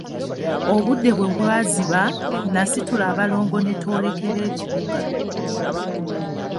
Obudde bwe bwaziba, nasitula abalongo ne twolekera ekibuga.